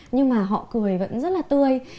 nhưng mà họ cười vẫn rất là tươi